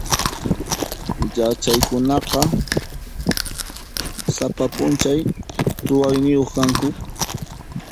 Yachaqkunaqa sapa p'unchay ruwayniyuq kanku.